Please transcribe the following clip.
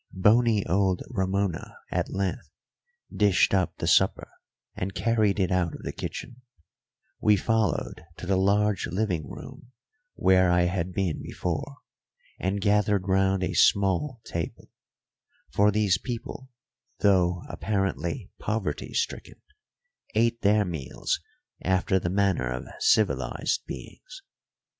Bony old Ramona at length dished up the supper and carried it out of the kitchen; we followed to the large living room, where I had been before, and gathered round a small table; for these people, though apparently poverty stricken, ate their meals after the manner of civilised beings.